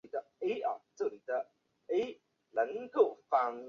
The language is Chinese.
但是尼古丁会抑制阿朴奎胺碱。